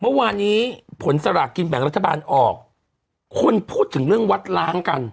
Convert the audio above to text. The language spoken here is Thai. เมื่อวานนี้ผลสลากกินแบ่งรัฐบาลออกคนพูดถึงเรื่องวัดล้างกัน